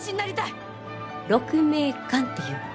鹿鳴館っていうの。